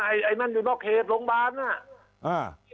ไอ้นั่นอยู่นอกเขตโรงพยาบาลน่ะ